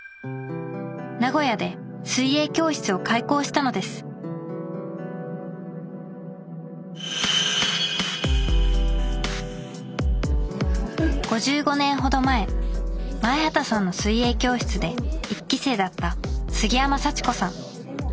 名古屋で水泳教室を開校したのです５５年ほど前前畑さんの水泳教室で１期生だった杉山幸子さん。